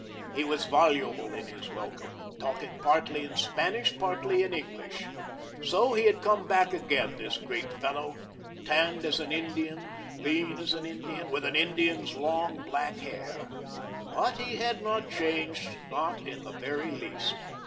He was voluble in his welcome, talking partly in Spanish, partly in English. So he had come back again, this great fellow, tanned as an Indian, lean as an Indian, with an Indian's long, black hair. But he had not changed, not in the very least.